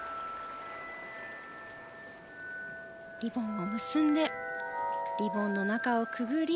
リボンを結んでリボンの中をくぐり。